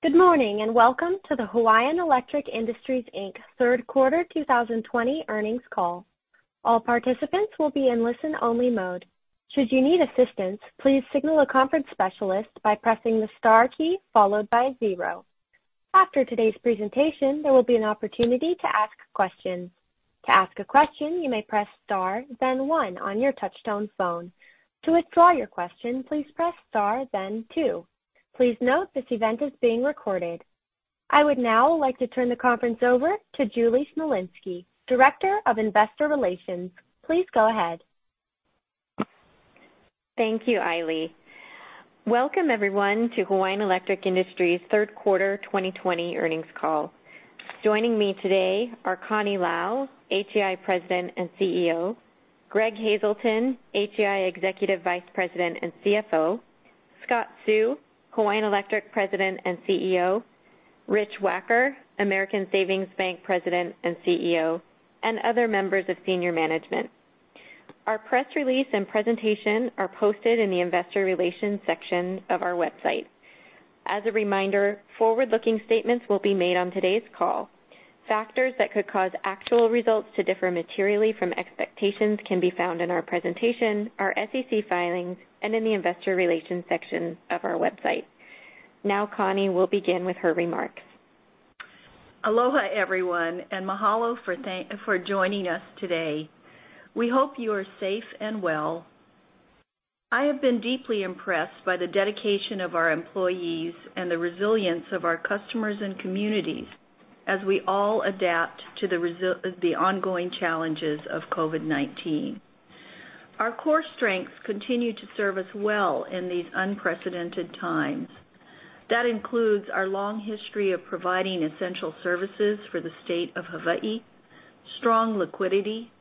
Good morning, and welcome to the Hawaiian Electric Industries, Inc. third quarter 2020 earnings call. All participants will be in listen-only mode. Should you need assistance, please signal a conference specialist by pressing the star key followed by zero. After today's presentation, there will be an opportunity to ask questions. To ask a question, you may press star then one on your touchtone phone. To withdraw your question, please press star then two. Please note this event is being recorded. I would now like to turn the conference over to Julie Smolinski, Director of Investor Relations. Please go ahead. Thank you, Eli. Welcome, everyone, to Hawaiian Electric Industries' third quarter 2020 earnings call. Joining me today are Connie Lau, HEI President and CEO; Greg Hazelton, HEI Executive Vice President and CFO; Scott Seu, Hawaiian Electric President and CEO; Rich Wacker, American Savings Bank President and CEO; and other members of senior management. Our press release and presentation are posted in the investor relations section of our website. As a reminder, forward-looking statements will be made on today's call. Factors that could cause actual results to differ materially from expectations can be found in our presentation, our SEC filings, and in the investor relations section of our website. Now, Connie will begin with her remarks. Aloha, everyone, and mahalo for joining us today. We hope you are safe and well. I have been deeply impressed by the dedication of our employees and the resilience of our customers and communities as we all adapt to the ongoing challenges of COVID-19. Our core strengths continue to serve us well in these unprecedented times. That includes our long history of providing essential services for the state of Hawaii, strong liquidity,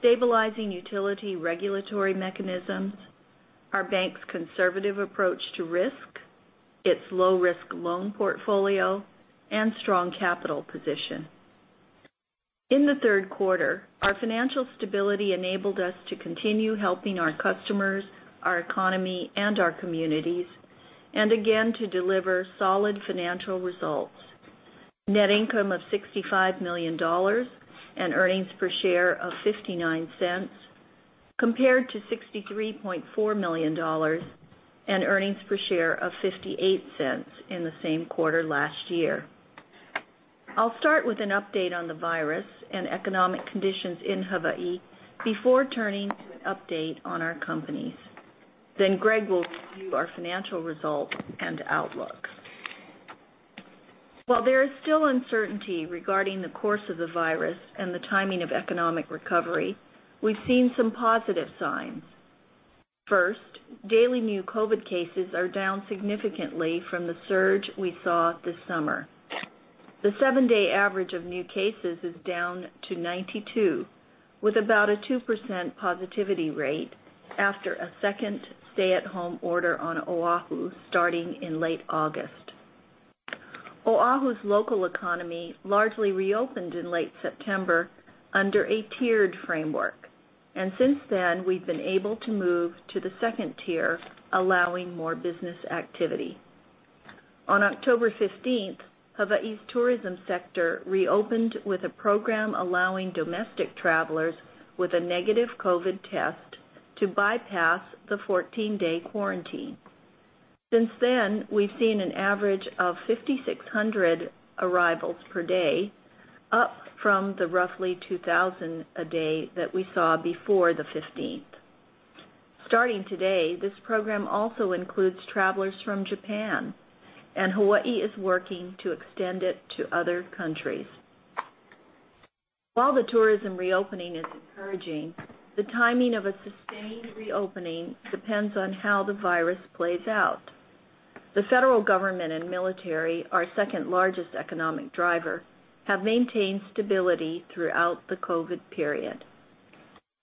stabilizing utility regulatory mechanisms, our bank's conservative approach to risk, its low-risk loan portfolio, and strong capital position. In the third quarter, our financial stability enabled us to continue helping our customers, our economy, and our communities, and again to deliver solid financial results. Net income of $65 million and earnings per share of $0.59, compared to $63.4 million and earnings per share of $0.58 in the same quarter last year. I'll start with an update on the virus and economic conditions in Hawaii before turning to an update on our companies. Greg will review our financial results and outlook. While there is still uncertainty regarding the course of the virus and the timing of economic recovery, we've seen some positive signs. First, daily new COVID-19 cases are down significantly from the surge we saw this summer. The seven-day average of new cases is down to 92, with about a 2% positivity rate after a second stay-at-home order on Oahu starting in late August. Oahu's local economy largely reopened in late September under a tiered framework, since then, we've been able to move to the second tier, allowing more business activity. On October 15th, Hawaii's tourism sector reopened with a program allowing domestic travelers with a negative COVID-19 test to bypass the 14-day quarantine. Since then, we've seen an average of 5,600 arrivals per day, up from the roughly 2,000 a day that we saw before the 15th. Starting today, this program also includes travelers from Japan. Hawaii is working to extend it to other countries. While the tourism reopening is encouraging, the timing of a sustained reopening depends on how the virus plays out. The federal government and military, our second-largest economic driver, have maintained stability throughout the COVID-19 period.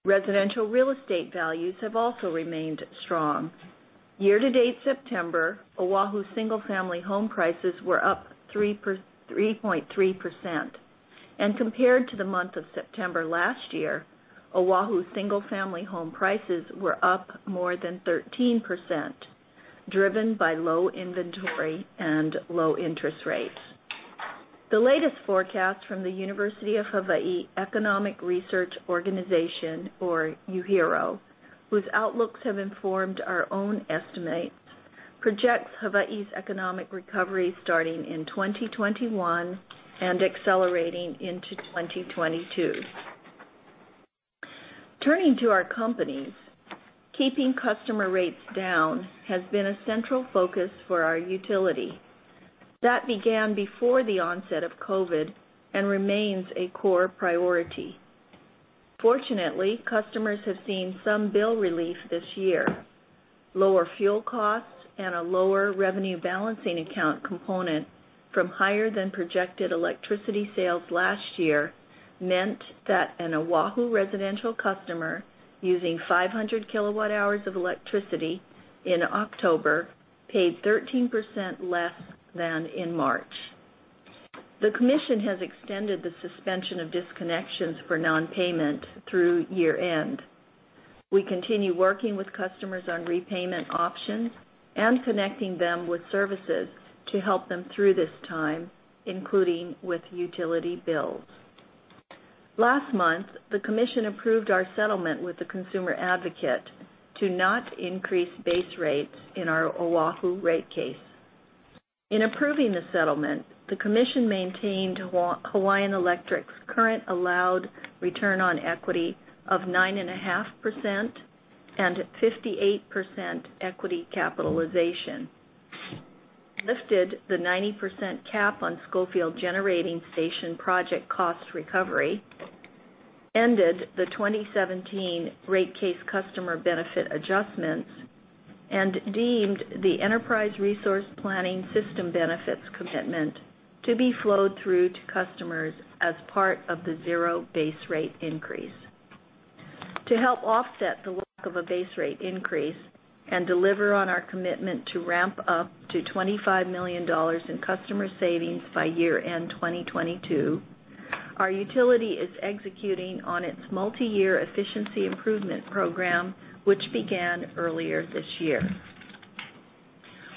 Residential real estate values have also remained strong. Year-to-date September, Oahu's single-family home prices were up 3.3%, and compared to the month of September last year, Oahu's single-family home prices were up more than 13%, driven by low inventory and low interest rates. The latest forecast from the University of Hawaii Economic Research Organization, or UHERO, whose outlooks have informed our own estimates, projects Hawaii's economic recovery starting in 2021 and accelerating into 2022. Turning to our companies, keeping customer rates down has been a central focus for our utility. That began before the onset of COVID and remains a core priority. Fortunately, customers have seen some bill relief this year. Lower fuel costs and a lower revenue balancing account component from higher than projected electricity sales last year meant that an Oahu residential customer using 500 kWh of electricity in October paid 13% less than in March. The commission has extended the suspension of disconnections for non-payment through year-end. We continue working with customers on repayment options and connecting them with services to help them through this time, including with utility bills. Last month, the commission approved our settlement with the consumer advocate to not increase base rates in our Oahu rate case. In approving the settlement, the commission maintained Hawaiian Electric's current allowed return on equity of 9.5% and 58% equity capitalization. It lifted the 90% cap on Schofield Generating Station project cost recovery, ended the 2017 rate case customer benefit adjustments, and deemed the enterprise resource planning system benefits commitment to be flowed through to customers as part of the zero base rate increase. To help offset the lack of a base rate increase and deliver on our commitment to ramp up to $25 million in customer savings by year end 2022, our utility is executing on its multi-year efficiency improvement program, which began earlier this year.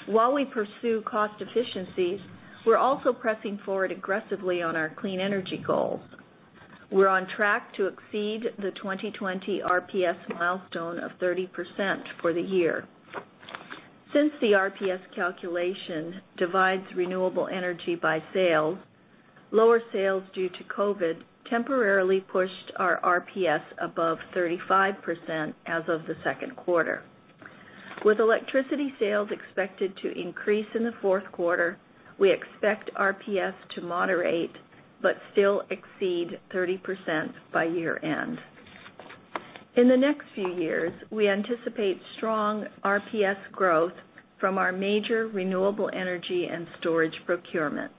While we pursue cost efficiencies, we're also pressing forward aggressively on our clean energy goals. We're on track to exceed the 2020 RPS milestone of 30% for the year. Since the RPS calculation divides renewable energy by sales, lower sales due to COVID temporarily pushed our RPS above 35% as of the second quarter. With electricity sales expected to increase in the fourth quarter, we expect RPS to moderate, but still exceed 30% by year end. In the next few years, we anticipate strong RPS growth from our major renewable energy and storage procurements.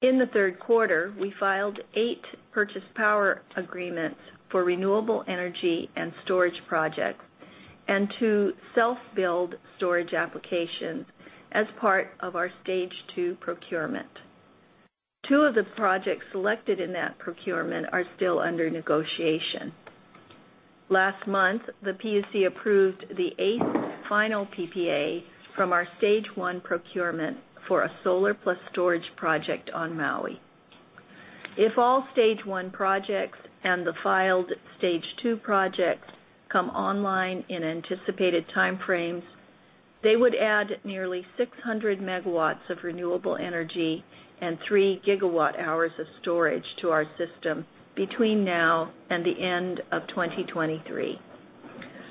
In the third quarter, we filed eight purchase power agreements for renewable energy and storage projects and two self-billed storage applications as part of our stage 2 procurement. Two of the projects selected in that procurement are still under negotiation. Last month, the PUC approved the eighth final PPA from our stage 1 procurement for a solar plus storage project on Maui. If all stage 1 projects and the filed stage 2 projects come online in anticipated timeframes, they would add nearly 600 megawatts of renewable energy and 3 GWh of storage to our system between now and the end of 2023.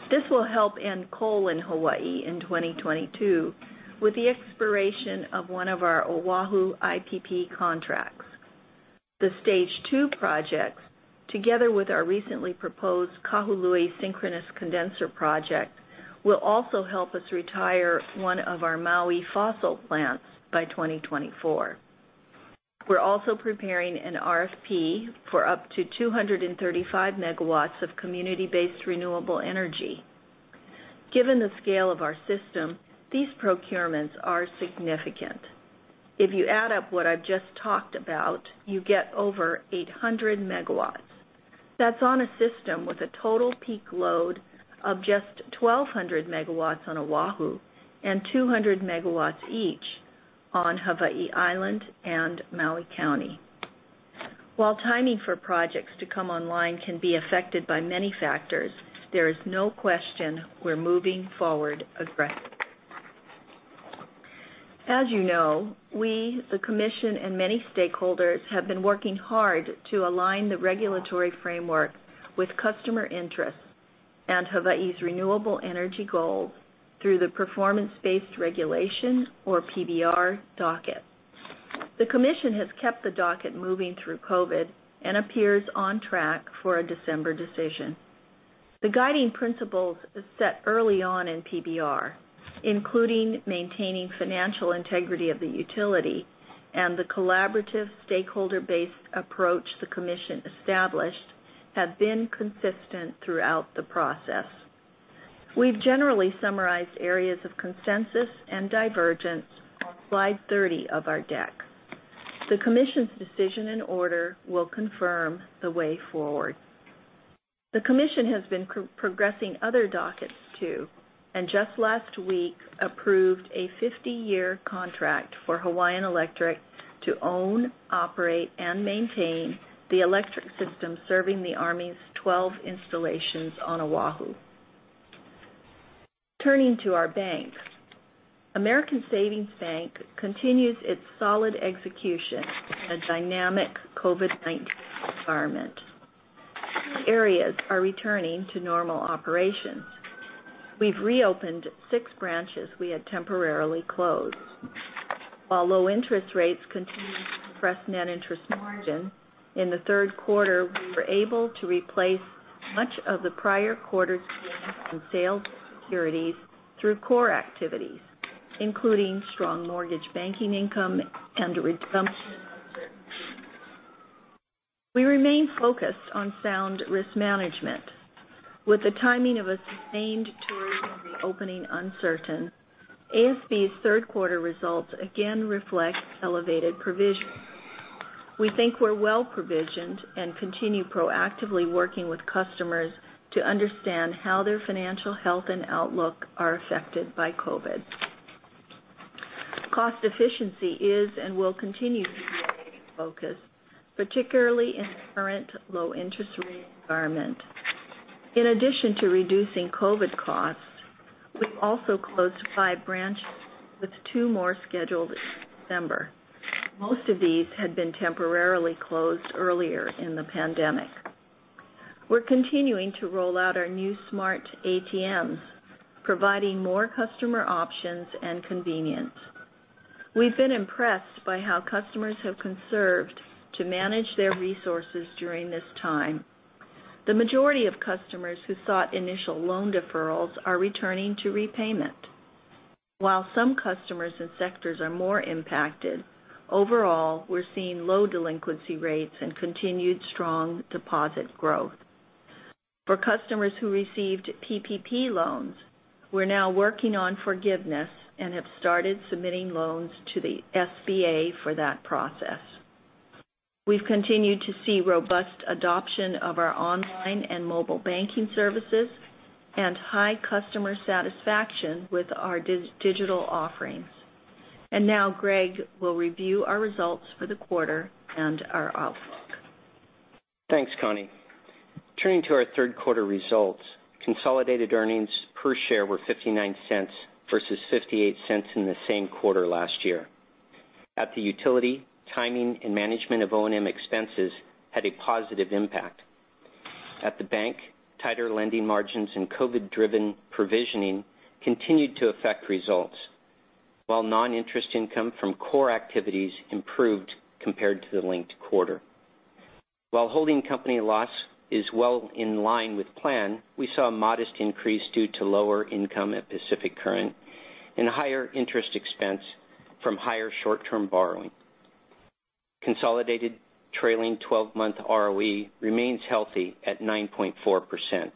This will help end coal in Hawaii in 2022, with the expiration of one of our Oahu IPP contracts. The stage 2 projects, together with our recently proposed Kahului synchronous condenser project, will also help us retire one of our Maui fossil plants by 2024. We're also preparing an RFP for up to 235 megawatts of community-based renewable energy. Given the scale of our system, these procurements are significant. If you add up what I've just talked about, you get over 800 megawatts. That's on a system with a total peak load of just 1,200 MW on Oahu and 200 megawatts each on Hawaii Island and Maui County. While timing for projects to come online can be affected by many factors, there is no question we're moving forward aggressively. As you know, we, the commission, and many stakeholders have been working hard to align the regulatory framework with customer interests and Hawaii's renewable energy goals through the performance-based regulation or PBR docket. The commission has kept the docket moving through COVID and appears on track for a December decision. The guiding principles set early on in PBR, including maintaining financial integrity of the utility and the collaborative stakeholder-based approach the commission established, have been consistent throughout the process. We've generally summarized areas of consensus and divergence on slide 30 of our deck. The commission's decision and order will confirm the way forward. The commission has been progressing other dockets too. Just last week approved a 50-year contract for Hawaiian Electric to own, operate, and maintain the electric system serving the Army's 12 installations on Oahu. Turning to our bank. American Savings Bank continues its solid execution in a dynamic COVID-19 environment. Areas are returning to normal operations. We've reopened six branches we had temporarily closed. While low interest rates continue to suppress net interest margin, in the third quarter, we were able to replace much of the prior quarter's gains in sale of securities through core activities, including strong mortgage banking income. We remain focused on sound risk management. With the timing of a sustained tourism reopening uncertain, ASB's third quarter results again reflect elevated provisions. We think we're well-provisioned and continue proactively working with customers to understand how their financial health and outlook are affected by COVID. Cost efficiency is and will continue to be a focus, particularly in the current low-interest rate environment. In addition to reducing COVID costs, we've also closed five branches, with two more scheduled in December. Most of these had been temporarily closed earlier in the pandemic. We're continuing to roll out our new smart ATMs, providing more customer options and convenience. We've been impressed by how customers have conserved to manage their resources during this time. The majority of customers who sought initial loan deferrals are returning to repayment. While some customers and sectors are more impacted, overall, we're seeing low delinquency rates and continued strong deposit growth. For customers who received PPP loans, we're now working on forgiveness and have started submitting loans to the SBA for that process. We've continued to see robust adoption of our online and mobile banking services and high customer satisfaction with our digital offerings. Now Greg will review our results for the quarter and our outlook. Thanks, Connie. Turning to our third quarter results, consolidated earnings per share were $0.59 versus $0.58 in the same quarter last year. At the utility, timing and management of O&M expenses had a positive impact. At the bank, tighter lending margins and COVID-driven provisioning continued to affect results, while non-interest income from core activities improved compared to the linked quarter. While holding company loss is well in line with plan, we saw a modest increase due to lower income at Pacific Current and higher interest expense from higher short-term borrowing. Consolidated trailing 12-month ROE remains healthy at 9.4%.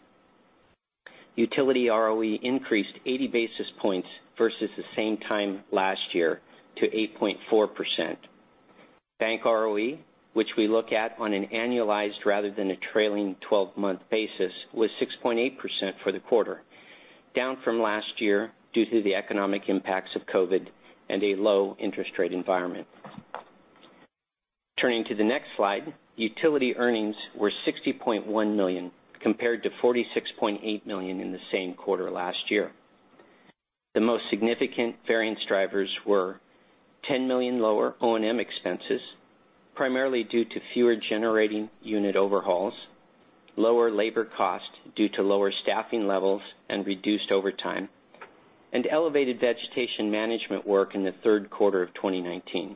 Utility ROE increased 80 basis points versus the same time last year to 8.4%. Bank ROE, which we look at on an annualized rather than a trailing 12-month basis, was 6.8% for the quarter, down from last year due to the economic impacts of COVID-19 and a low interest rate environment. Turning to the next slide, utility earnings were $60.1 million, compared to $46.8 million in the same quarter last year. The most significant variance drivers were $10 million lower O&M expenses, primarily due to fewer generating unit overhauls, lower labor cost due to lower staffing levels and reduced overtime, and elevated vegetation management work in the third quarter of 2019.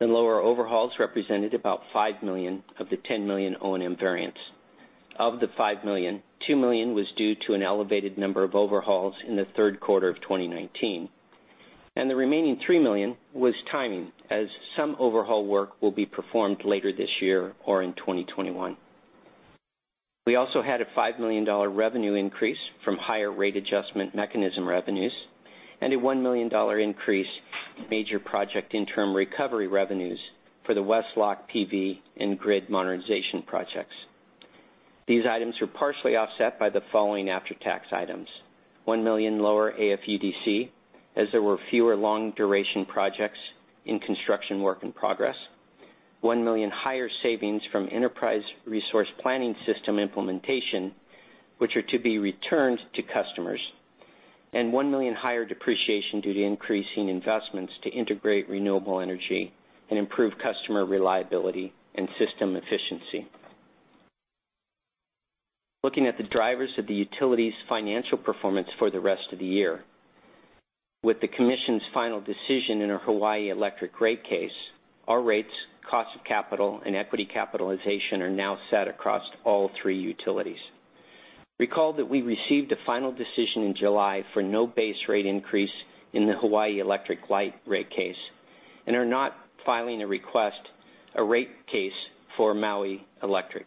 The lower overhauls represented about $5 million of the $10 million O&M variance. Of the $5 million, $2 million was due to an elevated number of overhauls in the third quarter of 2019, and the remaining $3 million was timing, as some overhaul work will be performed later this year or in 2021. We also had a $5 million revenue increase from higher rate adjustment mechanism revenues and a $1 million increase in Major Project Interim Recovery revenues for the West Loch PV and grid modernization projects. These items were partially offset by the following after-tax items. $1 million lower AFUDC, as there were fewer long-duration projects in construction work in progress. $1 million higher savings from enterprise resource planning system implementation, which are to be returned to customers. $1 million higher depreciation due to increasing investments to integrate renewable energy and improve customer reliability and system efficiency. Looking at the drivers of the utility's financial performance for the rest of the year. With the Commission's final decision in our Hawaiian Electric rate case, our rates, cost of capital, and equity capitalization are now set across all three utilities. Recall that we received a final decision in July for no base rate increase in the Hawaii Electric Light rate case and are not filing a request, a rate case for Maui Electric.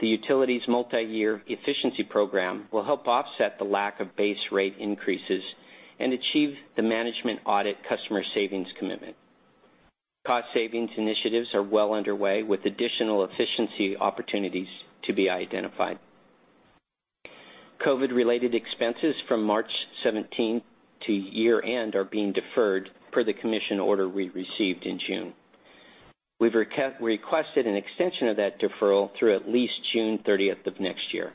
The utility's multi-year efficiency program will help offset the lack of base rate increases and achieve the management audit customer savings commitment. Cost savings initiatives are well underway, with additional efficiency opportunities to be identified. COVID-related expenses from March 17th to year-end are being deferred per the Commission order we received in June. We've requested an extension of that deferral through at least June 30th of next year.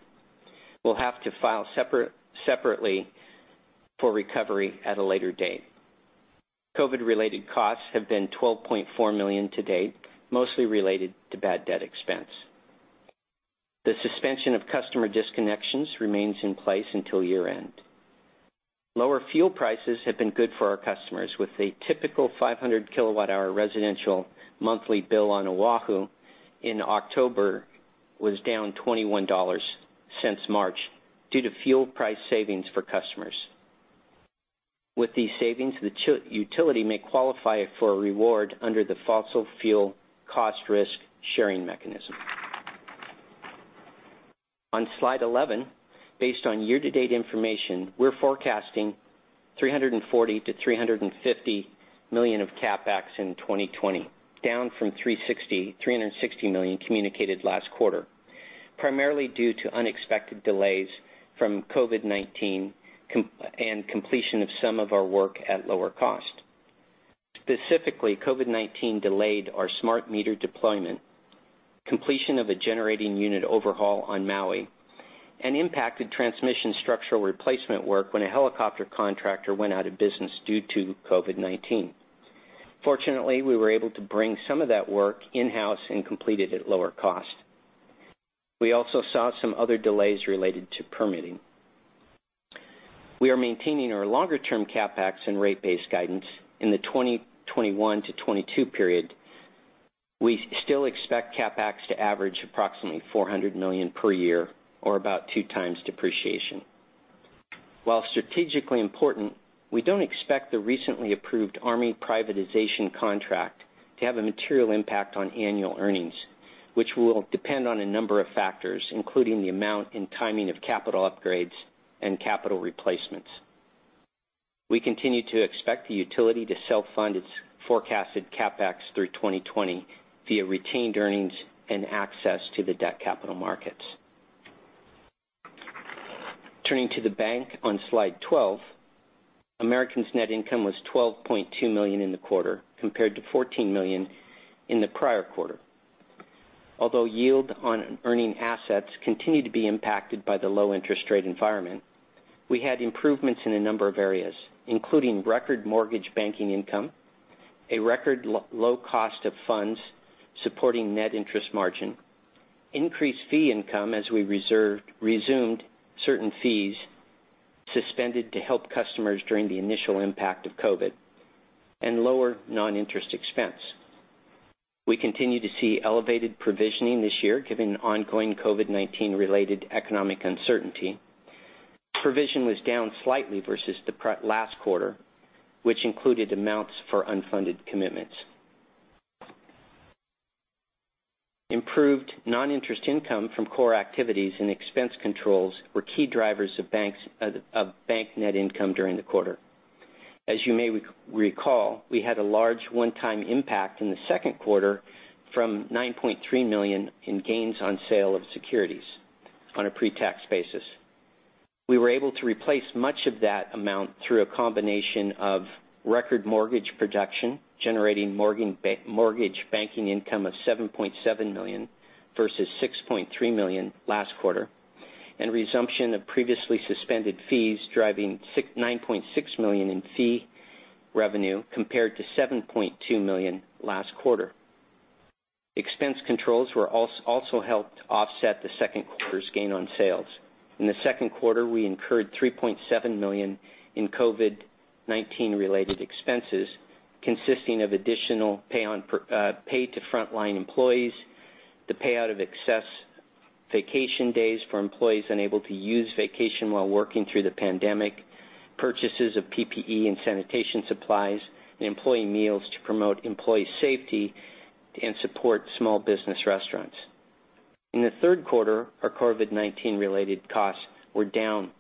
We'll have to file separately for recovery at a later date. COVID-related costs have been $12.4 million to date, mostly related to bad debt expense. The suspension of customer disconnections remains in place until year-end. Lower fuel prices have been good for our customers, with a typical 500 kWh residential monthly bill on Oahu in October was down $21 since March due to fuel price savings for customers. With these savings, the utility may qualify for a reward under the fossil fuel cost-risk sharing mechanism. On slide 11, based on year-to-date information, we're forecasting $340 million-$350 million of CapEx in 2020, down from $360 million communicated last quarter, primarily due to unexpected delays from COVID-19 and completion of some of our work at lower cost. Specifically, COVID-19 delayed our smart meter deployment, completion of a generating unit overhaul on Maui, and impacted transmission structural replacement work when a helicopter contractor went out of business due to COVID-19. Fortunately, we were able to bring some of that work in-house and complete it at lower cost. We also saw some other delays related to permitting. We are maintaining our longer-term CapEx and rate base guidance in the 2021-2022 period. We still expect CapEx to average approximately $400 million per year or about two times depreciation. While strategically important, we don't expect the recently approved army privatization contract to have a material impact on annual earnings, which will depend on a number of factors, including the amount and timing of capital upgrades and capital replacements. We continue to expect the utility to self-fund its forecasted CapEx through 2020 via retained earnings and access to the debt capital markets. Turning to the bank on slide 12. American's net income was $12.2 million in the quarter compared to $14 million in the prior quarter. Although yield on earning assets continued to be impacted by the low interest rate environment, we had improvements in a number of areas, including record mortgage banking income, a record low cost of funds supporting net interest margin, increased fee income as we resumed certain fees suspended to help customers during the initial impact of COVID-19, and lower non-interest expense. We continue to see elevated provisioning this year given ongoing COVID-19 related economic uncertainty. Provision was down slightly versus the last quarter, which included amounts for unfunded commitments. Improved non-interest income from core activities and expense controls were key drivers of bank net income during the quarter. As you may recall, we had a large one-time impact in the second quarter from $9.3 million in gains on sale of securities on a pre-tax basis. We were able to replace much of that amount through a combination of record mortgage production, generating mortgage banking income of $7.7 million versus $6.3 million last quarter, and resumption of previously suspended fees driving $9.6 million in fee revenue compared to $7.2 million last quarter. Expense controls also helped offset the second quarter's gain on sales. In the second quarter, we incurred $3.7 million in COVID-19 related expenses, consisting of additional pay to frontline employees, the payout of excess vacation days for employees unable to use vacation while working through the pandemic, purchases of PPE and sanitation supplies, and employee meals to promote employee safety and support small business restaurants. In the third quarter, our COVID-19 related costs were down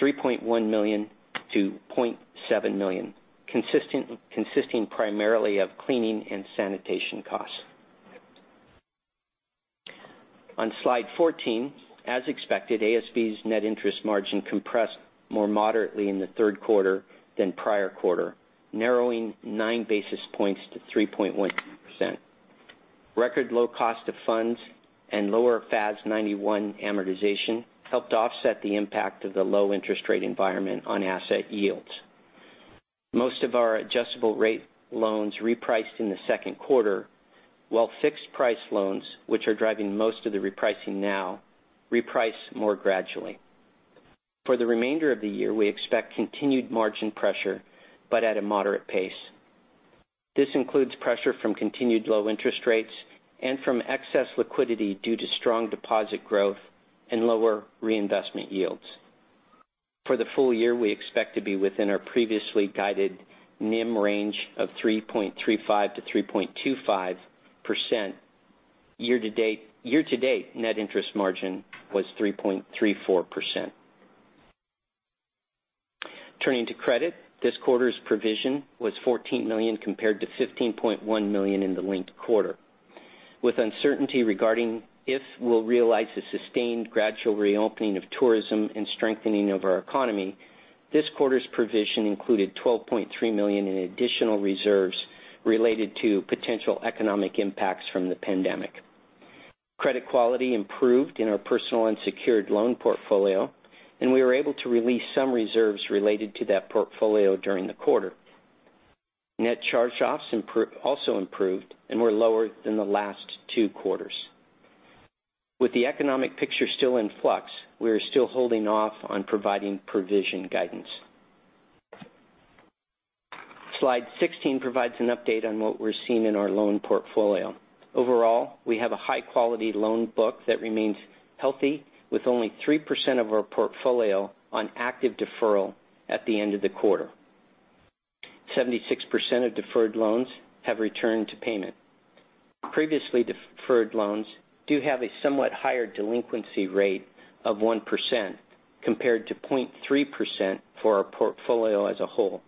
$3.1 million to $0.7 million, consisting primarily of cleaning and sanitation costs. On slide 14, as expected, ASB's net interest margin compressed more moderately in the third quarter than prior quarter, narrowing nine basis points to 3.1%. Record low cost of funds and lower FAS 91 amortization helped offset the impact of the low interest rate environment on asset yields. Most of our adjustable rate loans repriced in the second quarter, while fixed price loans, which are driving most of the repricing now, reprice more gradually. For the remainder of the year, we expect continued margin pressure, but at a moderate pace. This includes pressure from continued low interest rates and from excess liquidity due to strong deposit growth and lower reinvestment yields. For the full year, we expect to be within our previously guided NIM range of 3.35%-3.25%. Year to date net interest margin was 3.34%. Turning to credit. This quarter's provision was $14 million compared to $15.1 million in the linked quarter. With uncertainty regarding if we'll realize a sustained gradual reopening of tourism and strengthening of our economy, this quarter's provision included $12.3 million in additional reserves related to potential economic impacts from the pandemic. Credit quality improved in our personal unsecured loan portfolio, we were able to release some reserves related to that portfolio during the quarter. Net charge-offs also improved, were lower than the last two quarters. With the economic picture still in flux, we are still holding off on providing provision guidance. Slide 16 provides an update on what we're seeing in our loan portfolio. Overall, we have a high-quality loan book that remains healthy, with only 3% of our portfolio on active deferral at the end of the quarter. 76% of deferred loans have returned to payment. Previously deferred loans do have a somewhat higher delinquency rate of 1%, compared to 0.3% for our portfolio as a whole.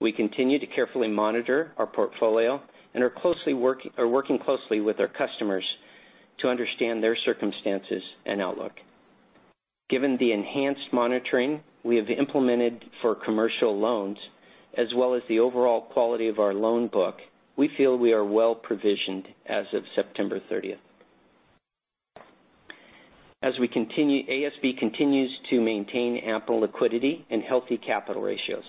We continue to carefully monitor our portfolio and are working closely with our customers to understand their circumstances and outlook. Given the enhanced monitoring we have implemented for commercial loans, as well as the overall quality of our loan book, we feel we are well-provisioned as of September 30th. As we continue, ASB continues to maintain ample liquidity and healthy capital ratios.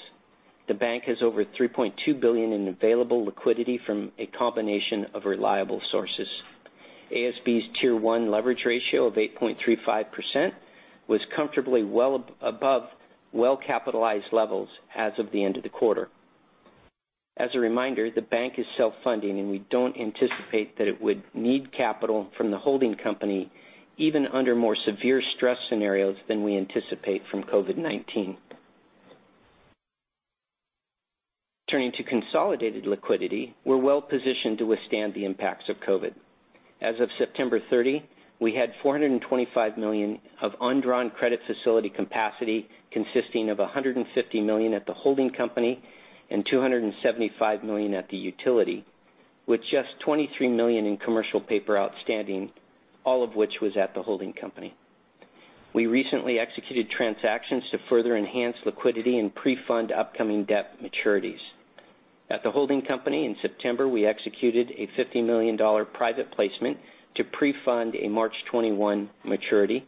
The bank has over $3.2 billion in available liquidity from a combination of reliable sources. ASB's Tier 1 leverage ratio of 8.35% was comfortably well above well-capitalized levels as of the end of the quarter. As a reminder, the bank is self-funding, and we don't anticipate that it would need capital from the holding company, even under more severe stress scenarios than we anticipate from COVID-19. Turning to consolidated liquidity, we're well-positioned to withstand the impacts of COVID. As of September 30, we had $425 million of undrawn credit facility capacity, consisting of $150 million at the holding company and $275 million at the utility, with just $23 million in commercial paper outstanding, all of which was at the holding company. We recently executed transactions to further enhance liquidity and pre-fund upcoming debt maturities. At the holding company in September, we executed a $50 million private placement to pre-fund a March 2021 maturity.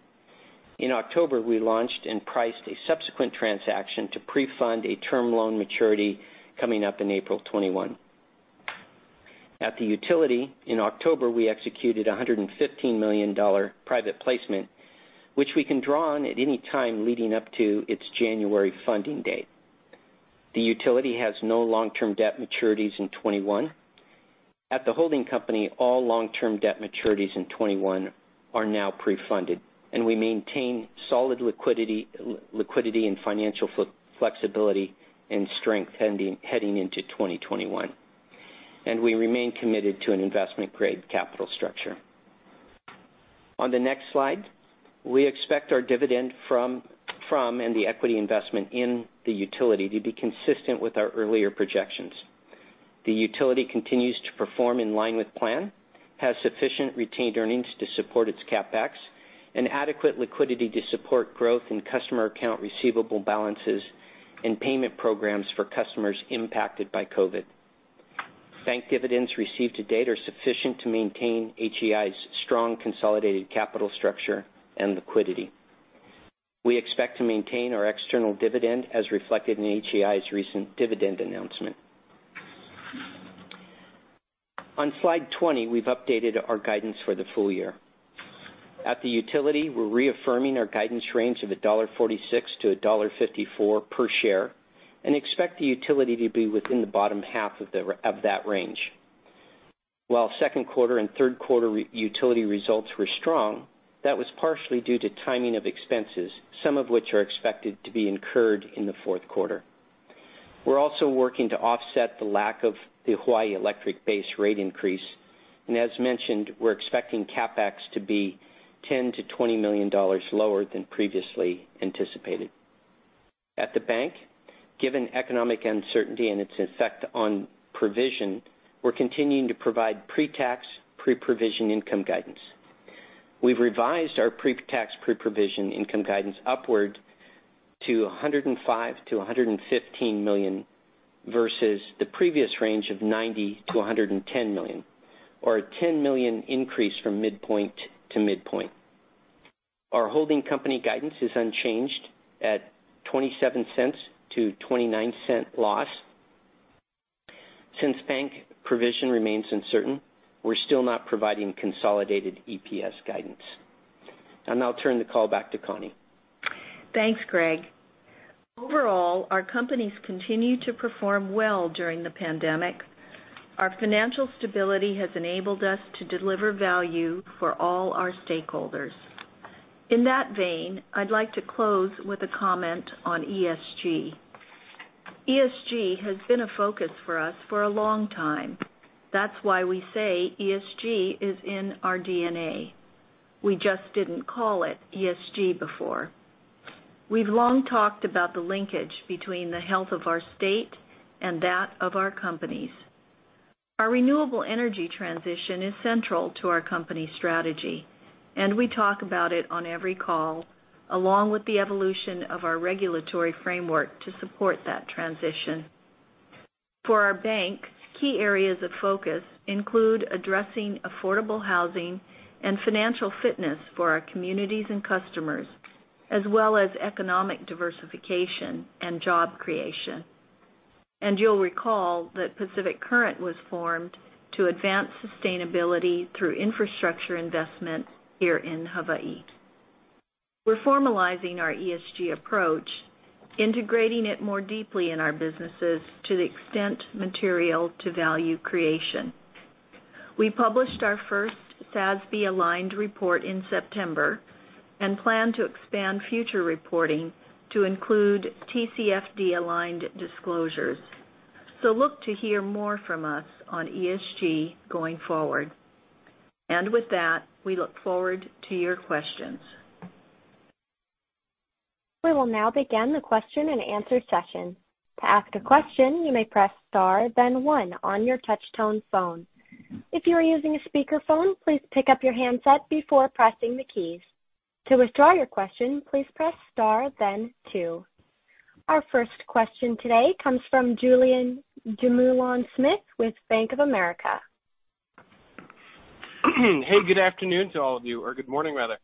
In October, we launched and priced a subsequent transaction to pre-fund a term loan maturity coming up in April 2021. At the utility in October, we executed a $115 million private placement, which we can draw on at any time leading up to its January funding date. The utility has no long-term debt maturities in 2021. At the holding company, all long-term debt maturities in 2021 are now pre-funded. We maintain solid liquidity and financial flexibility and strength heading into 2021. We remain committed to an investment-grade capital structure. On the next slide, we expect our dividend from and the equity investment in the utility to be consistent with our earlier projections. The utility continues to perform in line with plan, has sufficient retained earnings to support its CapEx, and adequate liquidity to support growth in customer account receivable balances and payment programs for customers impacted by COVID. Bank dividends received to date are sufficient to maintain HEI's strong consolidated capital structure and liquidity. We expect to maintain our external dividend as reflected in HEI's recent dividend announcement. On slide 20, we've updated our guidance for the full year. At the utility, we're reaffirming our guidance range of $1.46-$1.54 per share. We expect the utility to be within the bottom half of that range. While second quarter and third quarter utility results were strong, that was partially due to timing of expenses, some of which are expected to be incurred in the fourth quarter. We're also working to offset the lack of the Hawaiian Electric base rate increase. As mentioned, we're expecting CapEx to be $10 million-$20 million lower than previously anticipated. At the bank, given economic uncertainty and its effect on provision, we're continuing to provide pre-tax, pre-provision income guidance. We've revised our pre-tax, pre-provision income guidance upward to $105 million-$115 million versus the previous range of $90 million-$110 million, or a $10 million increase from midpoint to midpoint. Our holding company guidance is unchanged at $0.27-$0.29 loss. Since bank provision remains uncertain, we're still not providing consolidated EPS guidance. I'll now turn the call back to Connie. Thanks, Greg. Overall, our companies continue to perform well during the pandemic. Our financial stability has enabled us to deliver value for all our stakeholders. In that vein, I'd like to close with a comment on ESG. ESG has been a focus for us for a long time. That's why we say ESG is in our DNA. We just didn't call it ESG before. We've long talked about the linkage between the health of our state and that of our companies. Our renewable energy transition is central to our company strategy, and we talk about it on every call, along with the evolution of our regulatory framework to support that transition. For our bank, key areas of focus include addressing affordable housing and financial fitness for our communities and customers, as well as economic diversification and job creation. You'll recall that Pacific Current was formed to advance sustainability through infrastructure investment here in Hawaii. We're formalizing our ESG approach, integrating it more deeply in our businesses to the extent material to value creation. We published our first SASB-aligned report in September and plan to expand future reporting to include TCFD-aligned disclosures. Look to hear more from us on ESG going forward. With that, we look forward to your questions. We will now begin the question-and-answer session. To ask a question, you may press star then one on your touch-tone phone. If you are using a speakerphone, please pick up your handset before pressing the keys. To withdraw your question, please press star then two. Our first question today comes from Julien Dumoulin-Smith with Bank of America. Hey, good afternoon to all of you, or good morning rather.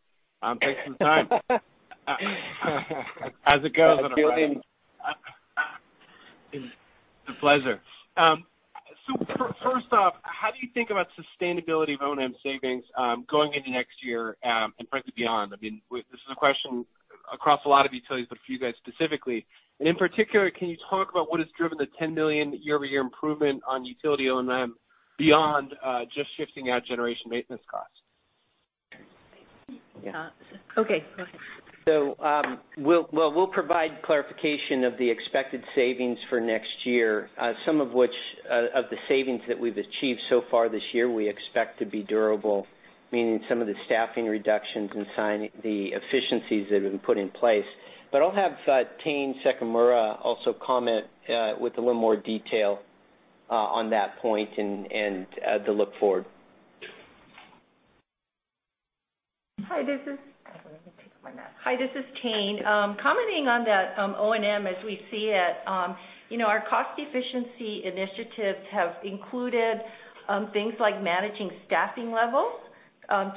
Thanks for the time. As it goes. It's a pleasure. First off, how do you think about sustainability of O&M savings going into next year and frankly, beyond? This is a question across a lot of utilities, but for you guys specifically. In particular, can you talk about what has driven the $10 million year-over-year improvement on utility O&M beyond just shifting out generation maintenance costs? Okay, go ahead. We'll provide clarification of the expected savings for next year, some of which, of the savings that we've achieved so far this year, we expect to be durable, meaning some of the staffing reductions and the efficiencies that have been put in place. I'll have Tayne Sekimura also comment with a little more detail on that point and the look forward. Hi, this is Tayne. Commenting on that O&M as we see it. Our cost efficiency initiatives have included things like managing staffing levels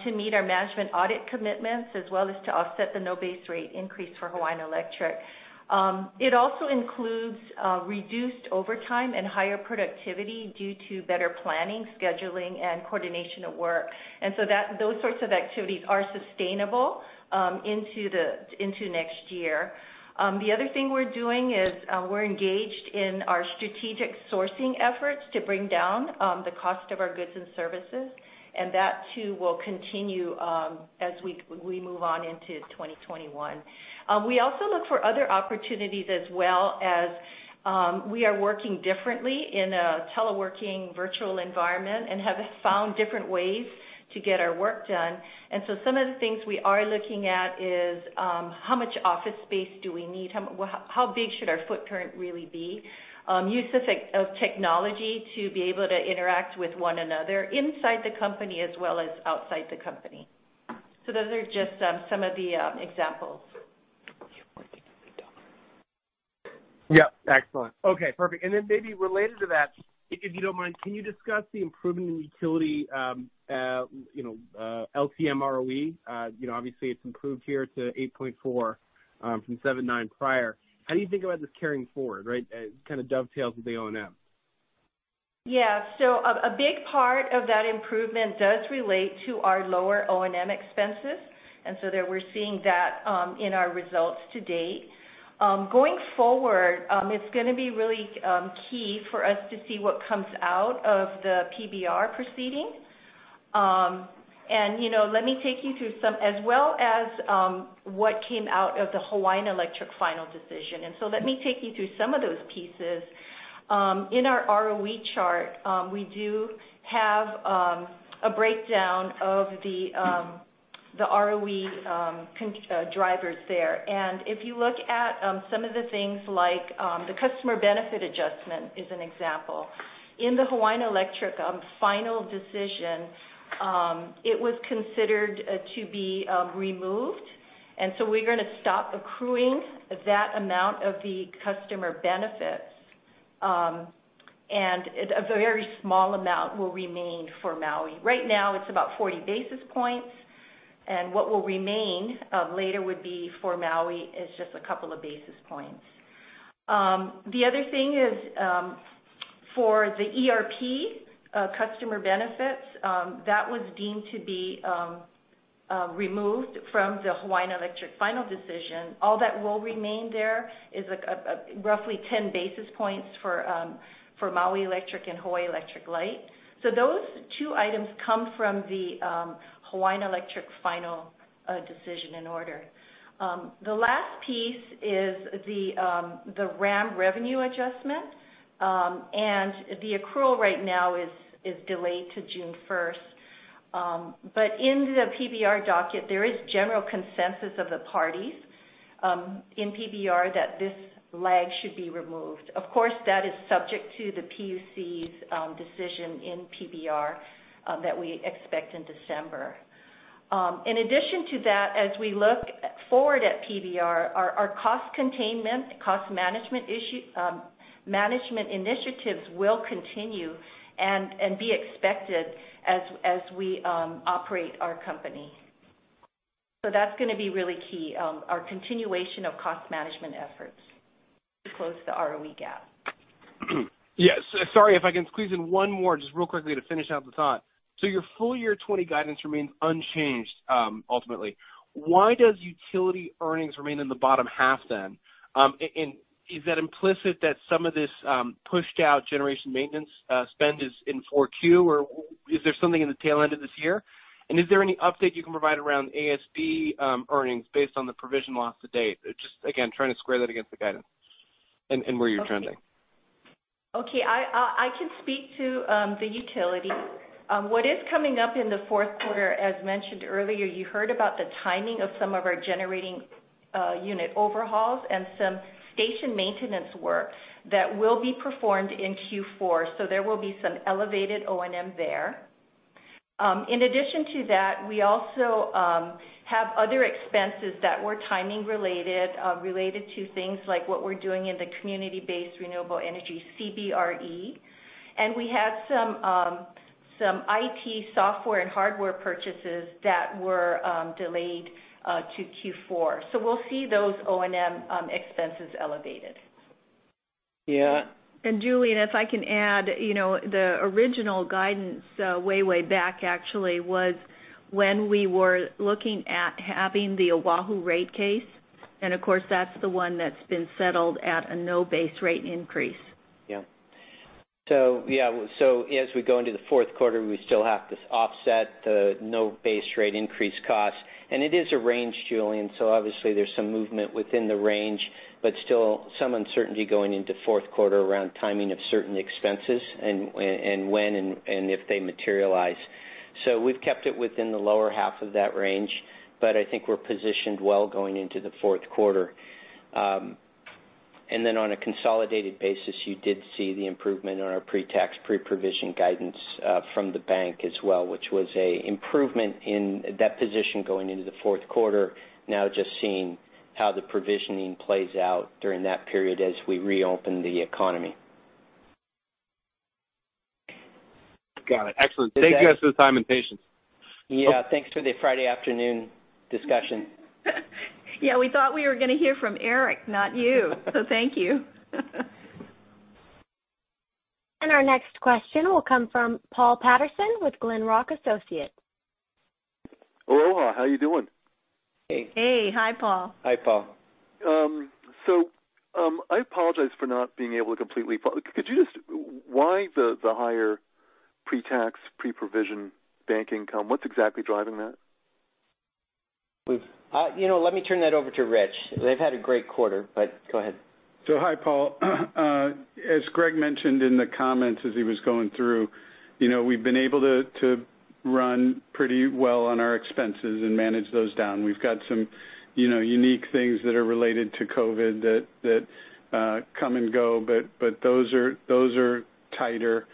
to meet our management audit commitments, as well as to offset the no base rate increase for Hawaiian Electric. It also includes reduced overtime and higher productivity due to better planning, scheduling, and coordination of work. Those sorts of activities are sustainable into next year. The other thing we're doing is we're engaged in our strategic sourcing efforts to bring down the cost of our goods and services. That too will continue as we move on into 2021. We also look for other opportunities as well, as we are working differently in a teleworking virtual environment and have found different ways to get our work done. Some of the things we are looking at is how much office space do we need? How big should our footprint really be? Use of technology to be able to interact with one another inside the company as well as outside the company. Those are just some of the examples. Yep. Excellent. Okay, perfect. Then maybe related to that, if you don't mind, can you discuss the improvement in utility LTM ROE? Obviously, it's improved here to 8.4% from 7.9% prior. How do you think about this carrying forward? It kind of dovetails with the O&M. Yeah. A big part of that improvement does relate to our lower O&M expenses, and so there we're seeing that in our results to date. Going forward, it's going to be really key for us to see what comes out of the PBR proceeding. Let me take you through some, as well as what came out of the Hawaiian Electric final decision. Let me take you through some of those pieces. In our ROE chart, we do have a breakdown of the ROE drivers there. If you look at some of the things like the customer benefit adjustment is an example. In the Hawaiian Electric final decision, it was considered to be removed. We're going to stop accruing that amount of the customer benefits, and a very small amount will remain for Maui. Right now, it's about 40 basis points, and what will remain later would be for Maui is just a couple of basis points. The other thing is for the ERP customer benefits, that was deemed to be removed from the Hawaiian Electric final decision. All that will remain there is roughly 10 basis points for Maui Electric and Hawaii Electric Light. Those two items come from the Hawaiian Electric final decision and order. The last piece is the RAM revenue adjustment, and the accrual right now is delayed to June 1st. In the PBR docket, there is general consensus of the parties in PBR that this lag should be removed. Of course, that is subject to the PUC's decision in PBR that we expect in December. In addition to that, as we look forward at PBR, our cost containment, cost management initiatives will continue and be expected as we operate our company. That's going to be really key, our continuation of cost management efforts to close the ROE gap. Yes. Sorry, if I can squeeze in one more, just real quickly to finish out the thought. Your full year 2020 guidance remains unchanged, ultimately. Why does utility earnings remain in the bottom half then? Is that implicit that some of this pushed out generation maintenance spend is in Q4, or is there something in the tail end of this year? Is there any update you can provide around ASB earnings based on the provision loss to date? Just again, trying to square that against the guidance and where you're trending. Okay. I can speak to the utility. What is coming up in the fourth quarter, as mentioned earlier, you heard about the timing of some of our generating unit overhauls and some station maintenance work that will be performed in Q4. There will be some elevated O&M there. In addition to that, we also have other expenses that were timing related to things like what we're doing in the community-based renewable energy, CBRE. We had some IT software and hardware purchases that were delayed to Q4. We'll see those O&M expenses elevated. Yeah. Julien, if I can add, the original guidance, way back actually, was when we were looking at having the Oahu rate case, and of course that's the one that's been settled at a no base rate increase. Yeah. As we go into the fourth quarter, we still have to offset the no base rate increase cost. It is a range, Julien, so obviously there's some movement within the range, but still some uncertainty going into fourth quarter around timing of certain expenses and when and if they materialize. We've kept it within the lower half of that range, but I think we're positioned well going into the fourth quarter. On a consolidated basis, you did see the improvement on our pre-tax, pre-provision guidance from the bank as well, which was a improvement in that position going into the fourth quarter. Just seeing how the provisioning plays out during that period as we reopen the economy. Got it. Excellent. Thank you guys for the time and patience. Yeah. Thanks for the Friday afternoon discussion. Yeah, we thought we were going to hear from Eric, not you, so thank you. Our next question will come from Paul Patterson with Glenrock Associates. Aloha. How are you doing? Hey. Hey. Hi, Paul. Hi, Paul. I apologize for not being able to completely follow. Why the higher pre-tax, pre-provision bank income? What's exactly driving that? Let me turn that over to Rich. They've had a great quarter, but go ahead. Hi, Paul. As Greg mentioned in the comments as he was going through, we've been able to run pretty well on our expenses and manage those down. We've got some unique things that are related to COVID that come and go, but those are tighter.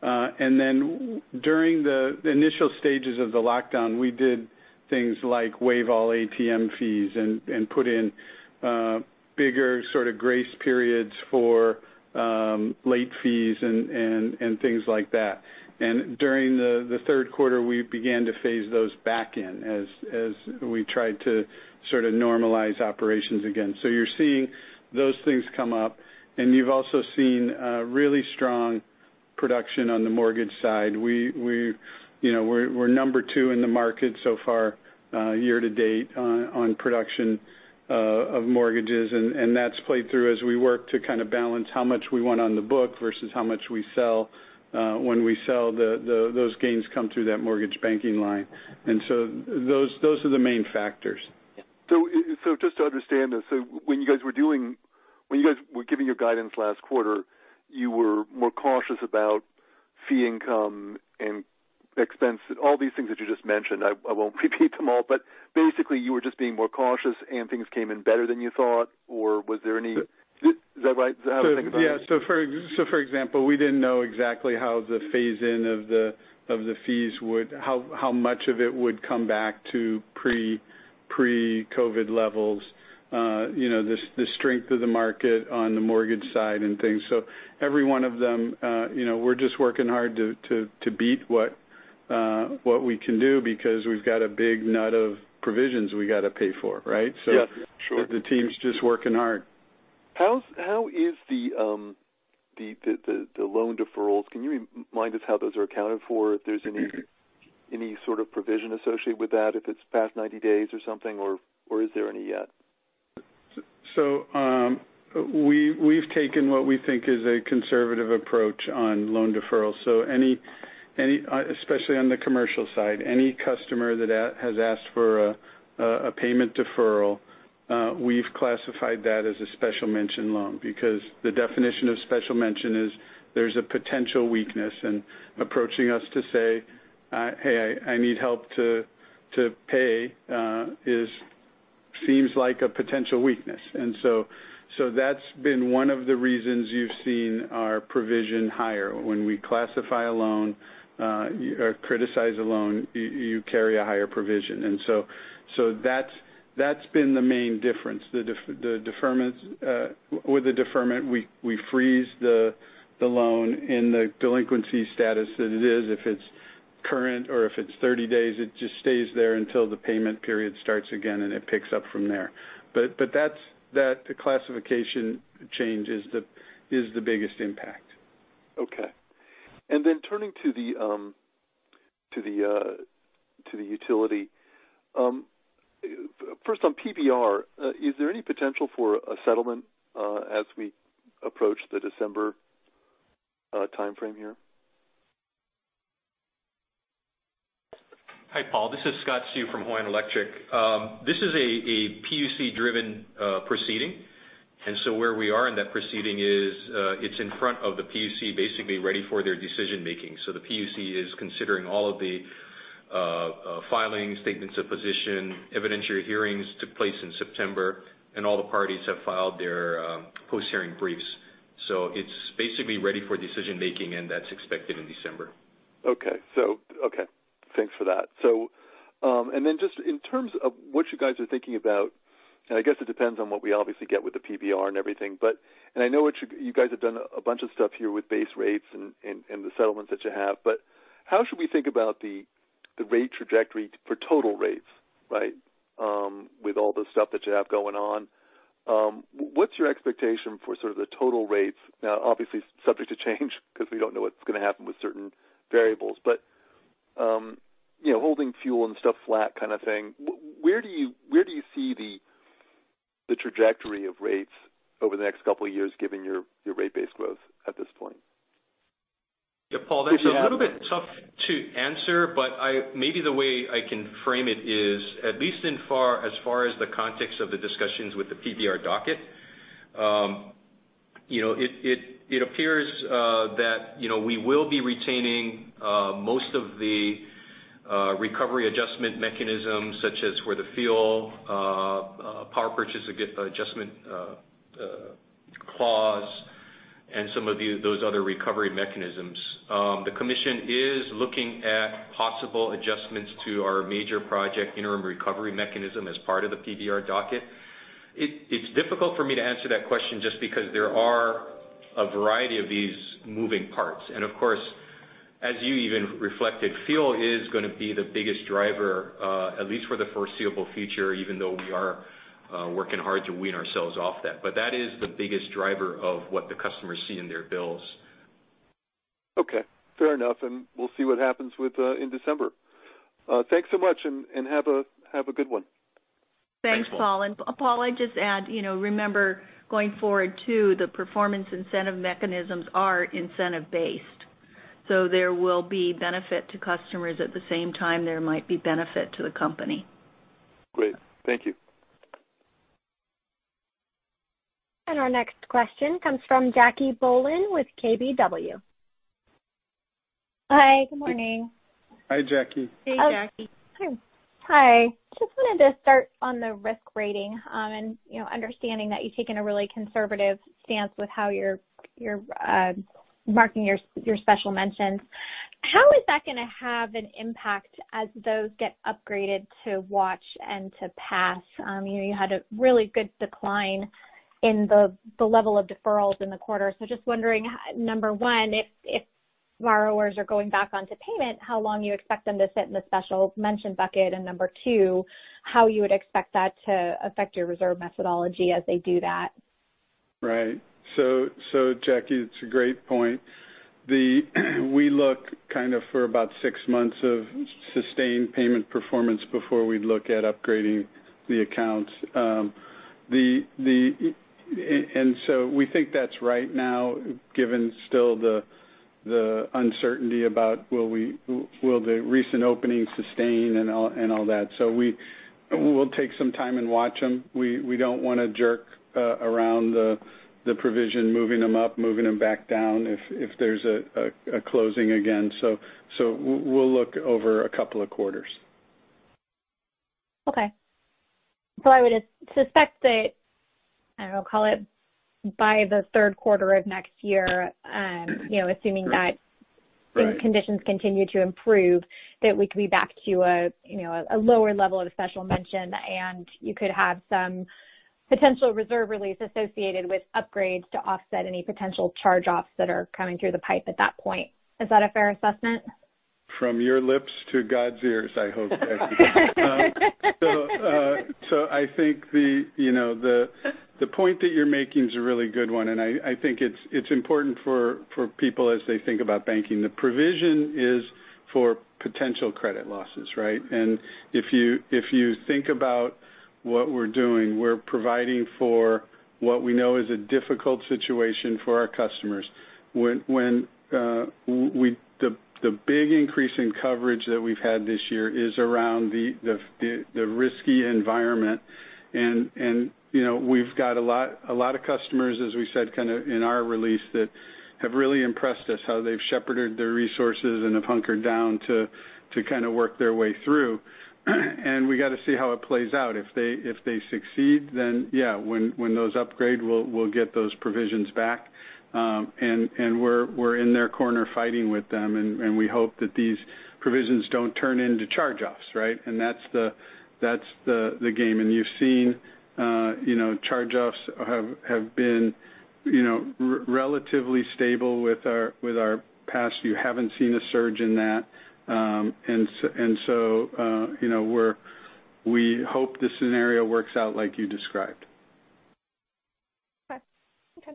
During the initial stages of the lockdown, we did things like waive all ATM fees and put in bigger sort of grace periods for late fees and things like that. During the third quarter, we began to phase those back in as we tried to sort of normalize operations again. You're seeing those things come up, and you've also seen a really strong production on the mortgage side. We're number 2 in the market so far year to date on production of mortgages, and that's played through as we work to kind of balance how much we want on the book versus how much we sell. When we sell, those gains come through that mortgage banking line. Those are the main factors. Yeah. Just to understand this, so when you guys were giving your guidance last quarter, you were more cautious about fee income and expense, all these things that you just mentioned. I won't repeat them all, but basically you were just being more cautious, and things came in better than you thought? Is that right? Is that how to think about it? Yeah. For example, we didn't know exactly how the phase in of the fees, how much of it would come back to pre-COVID levels. The strength of the market on the mortgage side and things. Every one of them, we're just working hard to beat what we can do because we've got a big nut of provisions we got to pay for, right? Yes, sure. The team's just working hard. How is the loan deferrals? Can you remind us how those are accounted for, if there's any sort of provision associated with that, if it's past 90 days or something, or is there any yet? We've taken what we think is a conservative approach on loan deferrals. Especially on the commercial side, any customer that has asked for a payment deferral, we've classified that as a special mention loan, because the definition of special mention is there's a potential weakness and approaching us to say, "Hey, I need help to pay," seems like a potential weakness. That's been one of the reasons you've seen our provision higher. When we classify a loan or criticize a loan, you carry a higher provision. That's been the main difference. With the deferment, we freeze the loan in the delinquency status that it is if it's Current, or if it's 30 days, it just stays there until the payment period starts again, and it picks up from there. That classification change is the biggest impact. Okay. Turning to the utility. First on PBR, is there any potential for a settlement as we approach the December timeframe here? Hi, Paul. This is Scott Seu from Hawaiian Electric. This is a PUC-driven proceeding. Where we are in that proceeding is it's in front of the PUC, basically ready for their decision-making. The PUC is considering all of the filings, statements of position. Evidentiary hearings took place in September, and all the parties have filed their post-hearing briefs. It's basically ready for decision-making, and that's expected in December. Okay. Thanks for that. Just in terms of what you guys are thinking about, and I guess it depends on what we obviously get with the PBR and everything. I know you guys have done a bunch of stuff here with base rates and the settlements that you have. How should we think about the rate trajectory for total rates? With all the stuff that you have going on. What's your expectation for sort of the total rates? Now, obviously, it's subject to change because we don't know what's going to happen with certain variables. Holding fuel and stuff flat kind of thing, where do you see the trajectory of rates over the next couple of years given your rate base growth at this point? Yeah, Paul, that's a little bit tough to answer, but maybe the way I can frame it is, at least as far as the context of the discussions with the PBR docket. It appears that we will be retaining most of the recovery adjustment mechanisms, such as for the Fuel Power Purchase Adjustment Clause and some of those other recovery mechanisms. The commission is looking at possible adjustments to our Major Project Interim Recovery mechanism as part of the PBR docket. It's difficult for me to answer that question just because there are a variety of these moving parts. Of course, as you even reflected, fuel is going to be the biggest driver at least for the foreseeable future, even though we are working hard to wean ourselves off that. That is the biggest driver of what the customers see in their bills. Okay. Fair enough. We'll see what happens in December. Thanks so much, and have a good one. Thanks, Paul. Thanks, Paul. Paul, I'd just add, remember, going forward too, the performance incentive mechanisms are incentive based. There will be benefit to customers, at the same time, there might be benefit to the company. Great. Thank you. Our next question comes from Jackie Bohlen with KBW. Hi. Good morning. Hi, Jackie. Hey, Jackie. Hi. Just wanted to start on the risk rating and understanding that you're taking a really conservative stance with how you're marking your special mention. How is that going to have an impact as those get upgraded to watch and to pass? You had a really good decline in the level of deferrals in the quarter. Just wondering, number one, if borrowers are going back onto payment, how long you expect them to sit in the special mention bucket? Number two, how you would expect that to affect your reserve methodology as they do that? Right. Jackie, it's a great point. We look kind of for about six months of sustained payment performance before we'd look at upgrading the accounts. We think that's right now given still the uncertainty about will the recent openings sustain and all that. We will take some time and watch them. We don't want to jerk around the provision, moving them up, moving them back down if there's a closing again. We'll look over a couple of quarters. Okay. I would suspect that, I don't know, call it by the third quarter of next year. Right Conditions continue to improve, that we could be back to a lower level of special mention, and you could have some potential reserve release associated with upgrades to offset any potential charge-offs that are coming through the pipe at that point. Is that a fair assessment? From your lips to God's ears, I hope, Jackie. I think the point that you're making is a really good one, and I think it's important for people as they think about banking. The provision is for potential credit losses, right? If you think about what we're doing, we're providing for what we know is a difficult situation for our customers. The big increase in coverage that we've had this year is around the risky environment. We've got a lot of customers, as we said kind of in our release, that have really impressed us how they've shepherded their resources and have hunkered down to kind of work their way through. We got to see how it plays out. If they succeed, then yeah, when those upgrade, we'll get those provisions back. We're in their corner fighting with them, and we hope that these provisions don't turn into charge-offs, right? That's the game. You've seen charge-offs have been relatively stable with our past. You haven't seen a surge in that. We hope the scenario works out like you described. Okay.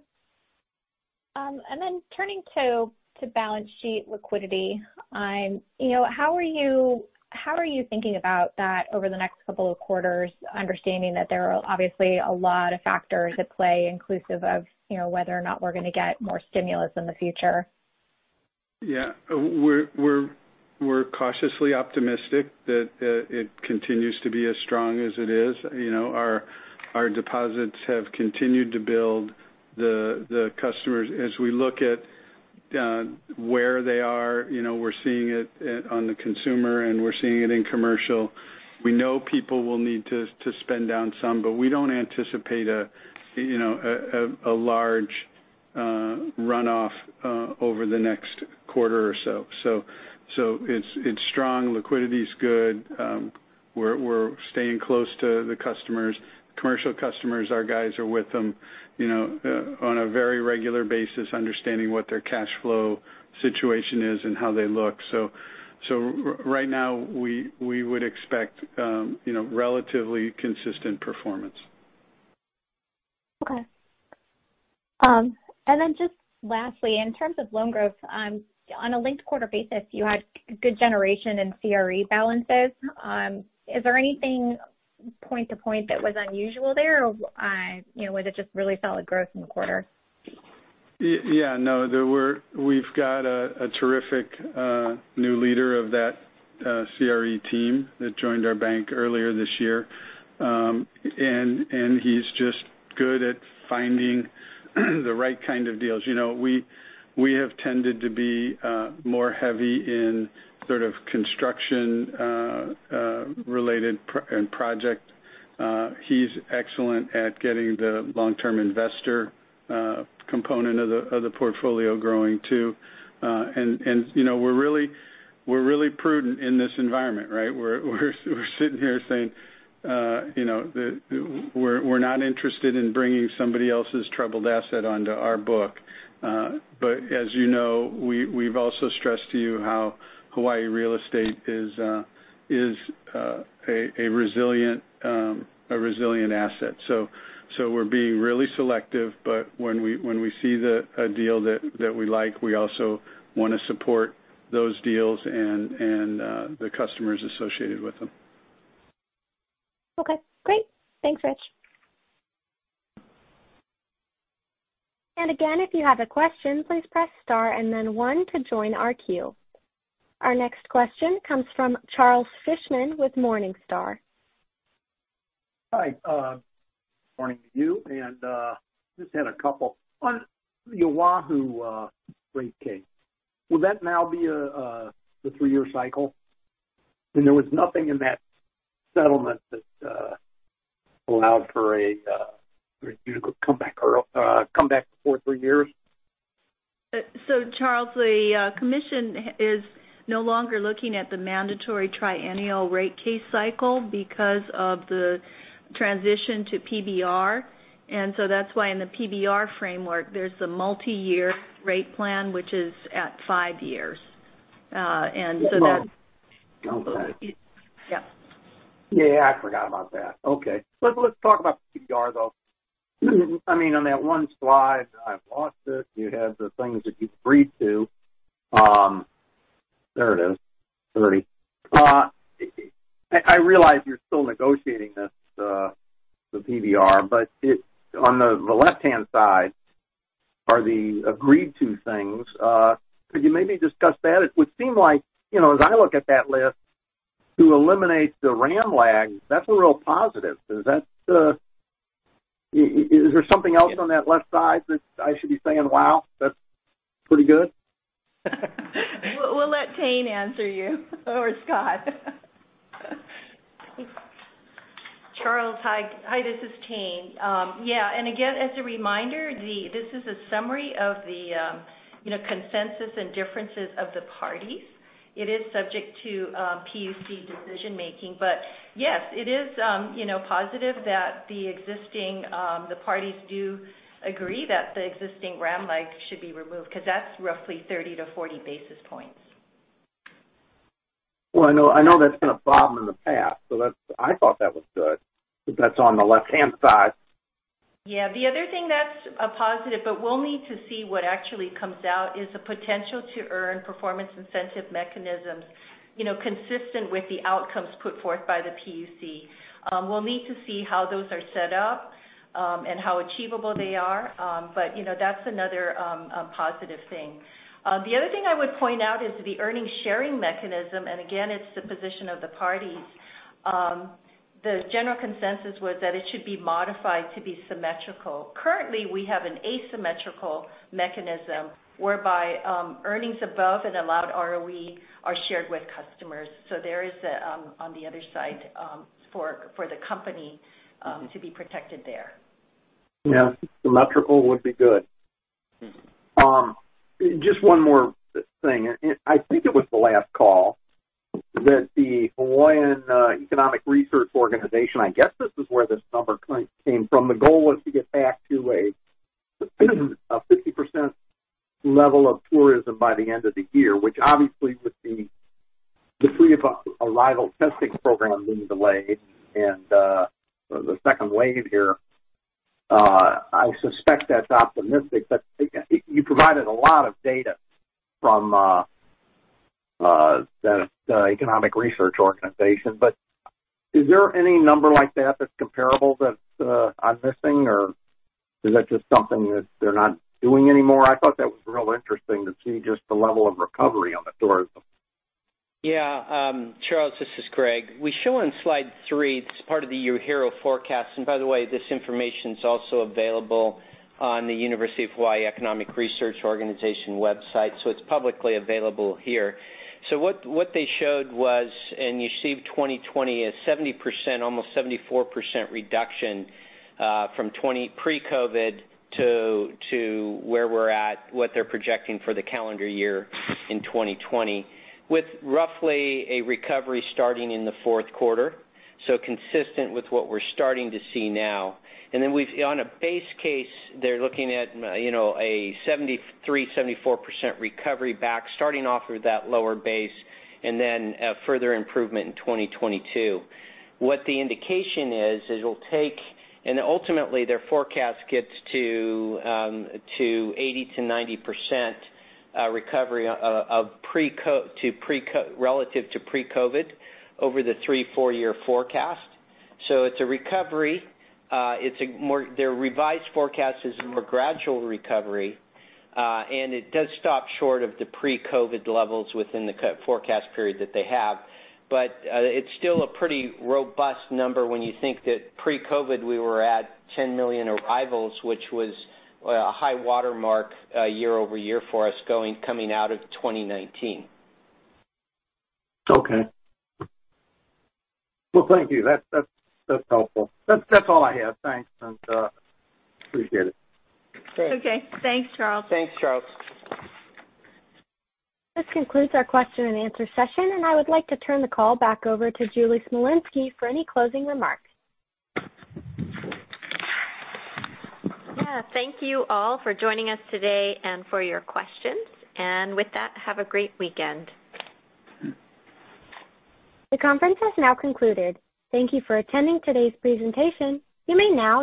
Turning to balance sheet liquidity, how are you thinking about that over the next couple of quarters, understanding that there are obviously a lot of factors at play inclusive of whether or not we're going to get more stimulus in the future? Yeah. We're cautiously optimistic that it continues to be as strong as it is. Our deposits have continued to build. The customers, as we look at where they are, we're seeing it on the consumer, and we're seeing it in commercial. We know people will need to spend down some, but we don't anticipate a large runoff over the next quarter or so. It's strong. Liquidity's good. We're staying close to the customers. Commercial customers, our guys are with them on a very regular basis, understanding what their cash flow situation is and how they look. Right now we would expect relatively consistent performance. Okay. Just lastly, in terms of loan growth, on a linked quarter basis, you had good generation in CRE balances. Is there anything point to point that was unusual there, or was it just really solid growth in the quarter? Yeah. No, we've got a terrific new leader of that CRE team that joined our bank earlier this year. He's just good at finding the right kind of deals. We have tended to be more heavy in sort of construction-related and project. He's excellent at getting the long-term investor component of the portfolio growing, too. We're really prudent in this environment, right? We're sitting here saying we're not interested in bringing somebody else's troubled asset onto our book. As you know, we've also stressed to you how Hawaii real estate is a resilient asset. We're being really selective, but when we see a deal that we like, we also want to support those deals and the customers associated with them. Okay, great. Thanks, Rich. Again, if you have a question, please press star and then one to join our queue. Our next question comes from Charles Fishman with Morningstar. Hi, morning to you. I just had a couple. On the Oahu rate case, will that now be the three-year cycle? There was nothing in that settlement that allowed for you to come back for three years. Charles, the commission is no longer looking at the mandatory triennial rate case cycle because of the transition to PBR. That's why in the PBR framework, there's a multiyear rate plan which is at five years. Okay. Yeah. Yeah, I forgot about that. Okay. Let's talk about PBR, though. On that one slide, and I've lost it, you have the things that you've agreed to. There it is, 30. I realize you're still negotiating the PBR, but on the left-hand side are the agreed-to things. Could you maybe discuss that? It would seem like, as I look at that list, to eliminate the WRAM lag, that's a real positive. Is there something else on that left side that I should be saying, "Wow, that's pretty good? We'll let Tayne answer you or Scott. Charles, hi. This is Tayne. Yeah. Again, as a reminder, this is a summary of the consensus and differences of the parties. It is subject to PUC decision-making, but yes, it is positive that the parties do agree that the existing WRAM lag should be removed because that's roughly 30-40 basis points. Well, I know that's been a problem in the past, so I thought that was good because that's on the left-hand side. The other thing that's a positive, but we'll need to see what actually comes out, is the potential to earn performance incentive mechanisms consistent with the outcomes put forth by the PUC. We'll need to see how those are set up and how achievable they are. That's another positive thing. The other thing I would point out is the earnings sharing mechanism, and again, it's the position of the parties. The general consensus was that it should be modified to be symmetrical. Currently, we have an asymmetrical mechanism whereby earnings above an allowed ROE are shared with customers. There is, on the other side, for the company to be protected there. Yeah. Symmetrical would be good. Just one more thing. I think it was the last call that the Hawaiian Economic Research Organization, I guess this is where this number came from. The goal was to get back to a 50% level of tourism by the end of the year, which obviously with the pre-arrival testing program being delayed and the second wave here, I suspect that's optimistic. You provided a lot of data from the Economic Research Organization, but is there any number like that that's comparable that I'm missing? Or is that just something that they're not doing anymore? I thought that was real interesting to see just the level of recovery on the tourism. Yeah. Charles, this is Greg. We show on slide three, it's part of the UHERO forecast. By the way, this information's also available on the University of Hawaii Economic Research Organization website, it's publicly available here. What they showed was, you see 2020, a 70%, almost 74% reduction from pre-COVID to where we're at, what they're projecting for the calendar year in 2020, with roughly a recovery starting in the fourth quarter. Consistent with what we're starting to see now. On a base case, they're looking at a 73%, 74% recovery back, starting off with that lower base, a further improvement in 2022. What the indication is, ultimately their forecast gets to 80%-90% recovery relative to pre-COVID over the three, four-year forecast. It's a recovery. Their revised forecast is a more gradual recovery. It does stop short of the pre-COVID levels within the forecast period that they have. It's still a pretty robust number when you think that pre-COVID, we were at 10 million arrivals, which was a high watermark year-over-year for us coming out of 2019. Okay. Well, thank you. That's helpful. That's all I have. Thanks, and appreciate it. Okay. Thanks, Charles. Thanks, Charles. This concludes our question and answer session, and I would like to turn the call back over to Julie Smolinski for any closing remarks. Yeah. Thank you all for joining us today and for your questions. With that, have a great weekend. The conference has now concluded. Thank you for attending today's presentation. You may now disconnect.